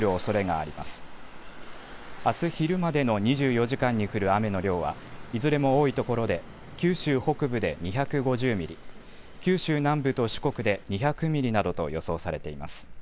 あす昼までの２４時間に降る雨の量はいずれも多いところで九州北部で２５０ミリ、九州南部と四国で２００ミリなどと予想されています。